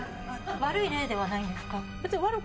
・悪い霊ではないんですか？